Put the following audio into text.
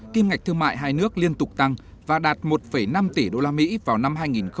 kim ngạch thương mại hai nước liên tục tăng và đạt một năm tỷ usd vào năm hai nghìn hai mươi